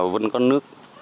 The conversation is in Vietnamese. vẫn có nước